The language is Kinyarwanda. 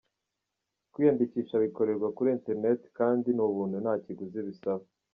Kwiyandikisha bikorerwa kuri internet kandi ni ubuntu nta kiguzi bisaba.